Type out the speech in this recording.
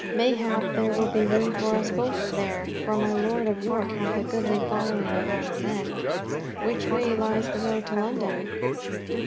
Mayhap there will be room for us both there, for my Lord of York hath a goodly following of armed men." "Which way lies the road to London?"